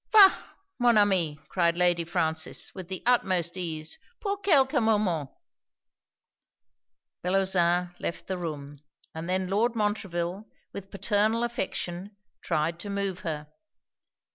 'Va mon ami,' cried Lady Frances, with the utmost ease, 'pour quelques moments.' Bellozane left the room; and then Lord Montreville, with paternal affection, tried to move her.